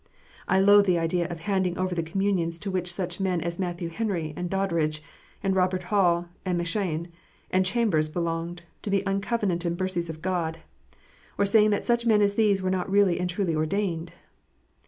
I loathe the idea of handing over the communions to which such men as Matthew Henry, and Doddridge, and Robert Hall, and M Cheyne, and Chalmers belonged, to the uncovenanted mercies of God, or saying that such men as these were not really and truly ordained.